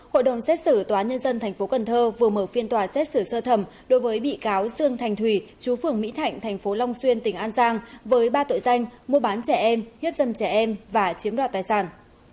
hội đồng xét xử tòa nhân dân tp cn vừa mở phiên tòa xét xử sơ thẩm đối với bị cáo dương thành thủy chú phưởng mỹ thạnh tp long xuyên tỉnh an giang với ba tội danh mua bán trẻ em hiếp dân trẻ em và chiếm đoạt tài sản